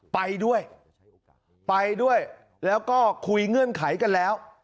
ไปด้วยไปด้วยแล้วก็คุยเงื่อนไขกันแล้ว